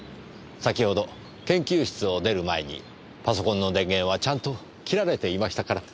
先ほど研究室を出る前にパソコンの電源はちゃんと切られていましたから。